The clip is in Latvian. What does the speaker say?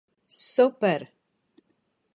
Super!